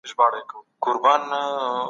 سياست له ځواک او زور سره نږدې تړاو لري.